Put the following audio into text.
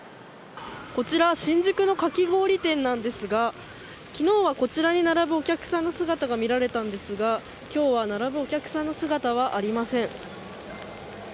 こちら新宿のかき氷店なんですが昨日はこちらに並ぶお客さんの姿が見られたんですが、今日は並ぶお客さんの姿はありません。